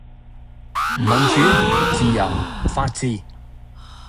民主、自由、法治